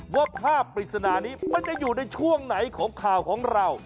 ว่าภาพปริศนานี้มันจะอยู่ในช่วงไหนของข่าวของเรา